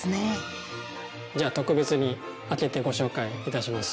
じゃあ特別に開けてご紹介いたします。